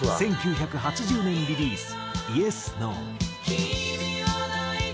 １９８０年リリース『Ｙｅｓ−Ｎｏ』。